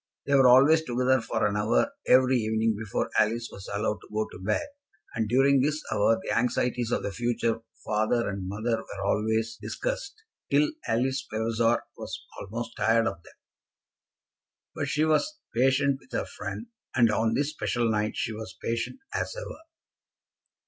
They were always together for an hour every evening before Alice was allowed to go to bed, and during this hour the anxieties of the future father and mother were always discussed till Alice Vavasor was almost tired of them. But she was patient with her friend, and on this special night she was patient as ever.